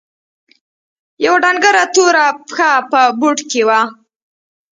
يوه ډنګره توره پښه په بوټ کښې وه.